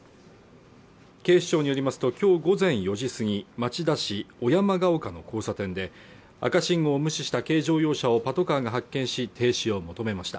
警視庁によりますときょう午前４時過ぎ町田市小山ヶ丘の交差点で赤信号を無視した軽乗用車をパトカーが発見し停止を求めました